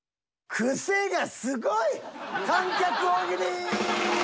クセがすごい観客大喜利！